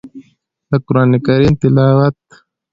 د قران کريم تلاوت